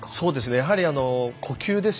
やはり呼吸です。